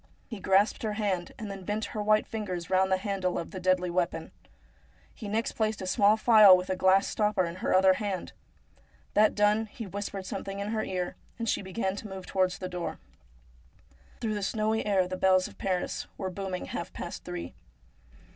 He grasped her hand, and then bent her white fingers round the handle of the deadly weapon. He next placed a small phial with a glass stopper in her other hand. That done he whispered something in her ear, and she began to move towards the door. 302 STORIES WEIRD AND WONDERFUL Through the snowy air the bells of Paris were booming half past three.